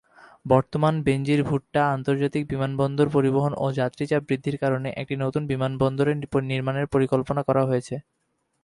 বর্তমান বেনজির ভুট্টো আন্তর্জাতিক বিমানবন্দরে বিমান পরিবহন ও যাত্রী চাপ বৃদ্ধির কারণে একটি নতুন বিমানবন্দর নির্মাণের পরিকল্পনা করা হয়েছিল।